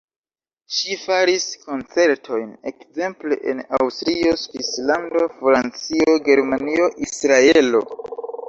Ŝi faris koncertojn ekzemple en Aŭstrio, Svislando, Francio, Germanio, Israelo.